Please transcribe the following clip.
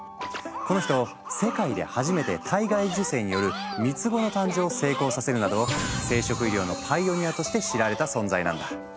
この人世界で初めて体外受精による三つ子の誕生を成功させるなど生殖医療のパイオニアとして知られた存在なんだ。